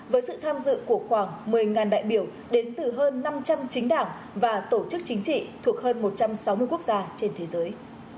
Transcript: với sự tham dự của khoảng một mươi đại biểu đến từ hơn năm trăm linh chính đảng và tổ chức chính trị thuộc hơn một trăm sáu mươi quốc gia trên thế giới